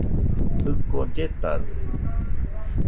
Jɨko lletade.